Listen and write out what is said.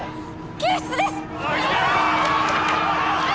救出です！